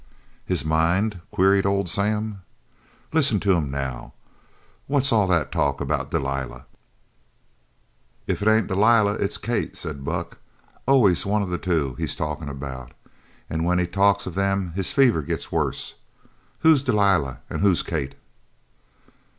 "His mind?" queried old Sam. "Listen to him now. What's all that talkin' about Delilah?" "If it ain't Delilah it's Kate," said Buck. "Always one of the two he's talkin' about. An' when he talks of them his fever gets worse. Who's Delilah, an' who's Kate?"